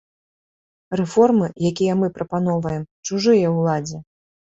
Рэформы, якія мы прапаноўваем, чужыя ўладзе.